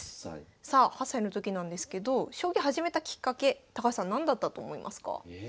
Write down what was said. さあ８歳の時なんですけど将棋始めたきっかけ高橋さん何だったと思いますか？え？